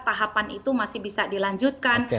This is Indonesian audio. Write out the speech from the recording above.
tahapan itu masih bisa dilanjutkan